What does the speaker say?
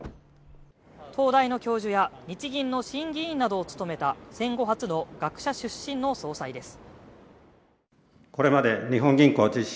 東大の教授や日銀の審議委員などを務めた戦後初の学者出身の総裁です。